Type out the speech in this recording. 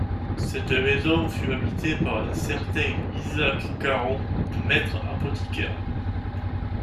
Cette maison fut habitée par un certain Isaac Caron, maitre apothicaire.